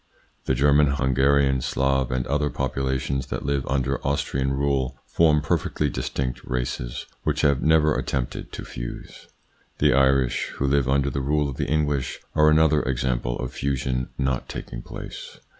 The German, Hungarian, Slav, and other populations that live under Austrain rule form perfectly distinct races which have never attempted to fuse. The Irish, who live under the rule of the English, are another example of fusion not taking place.